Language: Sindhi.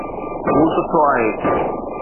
هو سٺو آهي